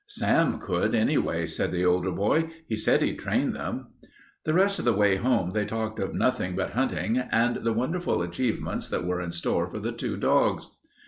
"Sam could, anyway," said the older boy. "He said he'd train them." The rest of the way home they talked of nothing but hunting and the wonderful achievements that were in store for the two dogs.